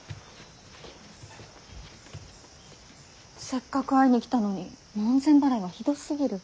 せっかく会いに来たのに門前払いはひどすぎる。